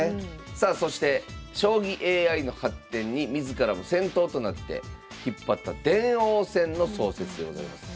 さあそして将棋ＡＩの発展に自らも先頭となって引っ張った電王戦の創設でございます。